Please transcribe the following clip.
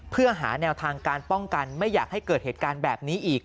เพื่อหาแนวทางการป้องกันไม่อยากให้เกิดเหตุการณ์แบบนี้อีก